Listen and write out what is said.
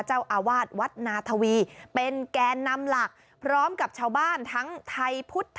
เจ้าอาวาสวัดนาธวีเป็นแกนนำหลักพร้อมกับชาวบ้านทั้งไทยพุทธ